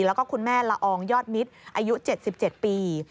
แล้วก็คุณแม่ละอองยอดมิตรอายุ๗๗ปี